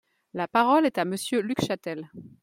La parole est à Monsieur Luc Chatel.